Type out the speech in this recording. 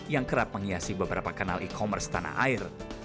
yang kerap menghiasi beberapa kanal e commerce tanah air